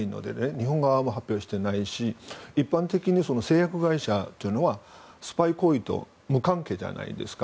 日本側も発表していないし一般的に製薬会社というのはスパイ活動と無関係ではないですか。